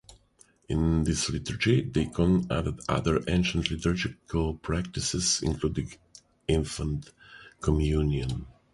In this liturgy Deacon added other ancient liturgical practices including infant communion.